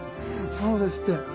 そうですって。